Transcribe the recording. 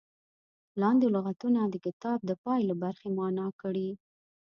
لاندې لغتونه د کتاب د پای له برخې معنا کړي.